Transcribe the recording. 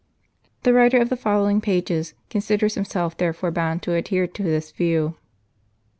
The writer of the following pages considered himself therefore bound to adhere to this view.